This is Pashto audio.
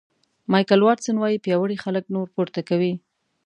مایکل واټسن وایي پیاوړي خلک نور پورته کوي.